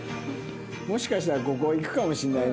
もしかしたらここいくかもしれないね。